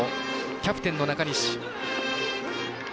キャプテンの中西。